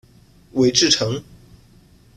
韦志成。